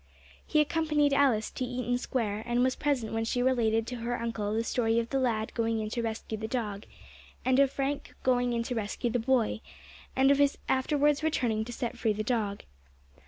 He accompanied Alice to Eaton Square, and was present when she related to her uncle the story of the lad going in to rescue the dog, and of Frank going in to rescue the boy, and of his afterwards returning to set free the dog.